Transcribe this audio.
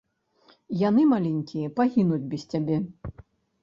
Яны, маленькія, пагінуць без цябе!